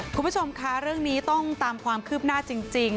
คุณผู้ชมคะเรื่องนี้ต้องตามความคืบหน้าจริง